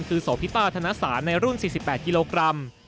คือโสพิป้าธนสารในรุ่น๔๘กิโลกรัม